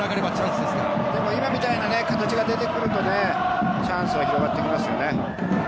でも今みたいな形が出てくるとチャンスが広がってきますよね。